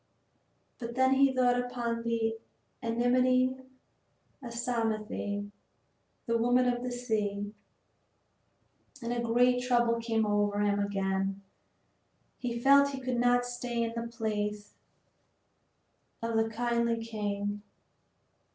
But then he thought upon the enmity of Psamathe, the woman of the sea, and great trouble came over him again. He felt he could not stay in the palace of the kindly king.